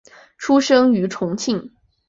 出生于重庆。